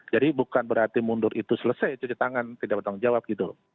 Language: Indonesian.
jadi bukan berarti mundur itu selesai cuci tangan tidak bertanggung jawab gitu